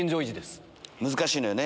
難しいのよね。